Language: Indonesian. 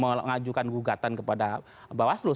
mengajukan gugatan kepada bawaslu